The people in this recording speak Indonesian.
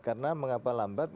karena mengapa lambat